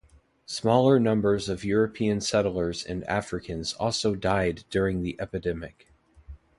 Smaller numbers of European settlers and Africans also died during the epidemic.